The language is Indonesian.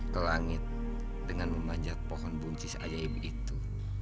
ke langit dengan memanjat pohon buncis ajaib itu